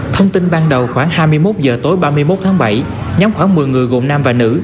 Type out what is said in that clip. thông tin ban đầu khoảng hai mươi một h tối ba mươi một tháng bảy nhóm khoảng một mươi người gồm nam và nữ